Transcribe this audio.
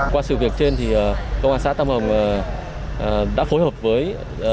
qua sự việc trên thì công an xã tam hồng đã phối hợp với